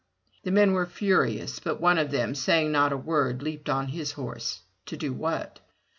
The men were furious, but one of them, saying not a word, leaped on his horse — to do what?